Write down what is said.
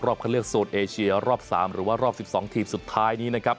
เข้าเลือกโซนเอเชียรอบ๓หรือว่ารอบ๑๒ทีมสุดท้ายนี้นะครับ